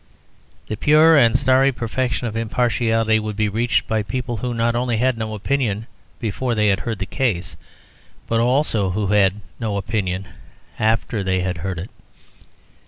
The pure and starry perfection of impartiality would be reached by people who not only had no opinion before they had heard the case, but who also had no opinion after they had heard it.